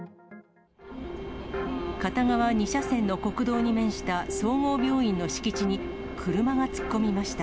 片側２車線の国道に面した総合病院の敷地に、車が突っ込みました。